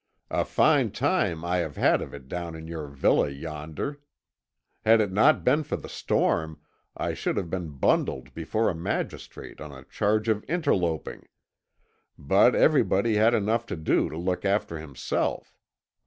A fine time I have had of it down in your villa yonder! Had it not been for the storm, I should have been bundled before a magistrate on a charge of interloping; but everybody had enough to do to look after himself.